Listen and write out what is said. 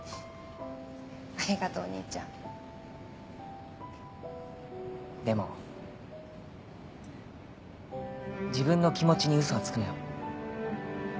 ありがとうお兄ちゃんでも自分の気持ちにウソはつくなよ